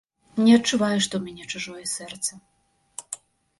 Не адчуваю, што ў мяне чужое сэрца.